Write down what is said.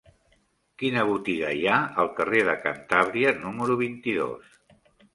Quina botiga hi ha al carrer de Cantàbria número vint-i-dos?